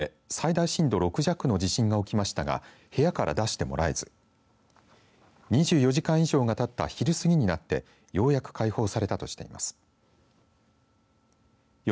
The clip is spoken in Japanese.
部屋は電気を止められ翌１８日の朝には大阪北部で最大震度６弱の地震が起きましたが部屋から出してもらえず２４時間以上がたった昼過ぎになってようやく解放されたとしています。